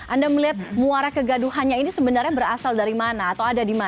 anda melihat muara kegaduhannya ini sebenarnya berasal dari mana atau ada di mana